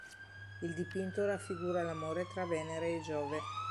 Il dipinto raffigura l'amore tra Venere e Giove.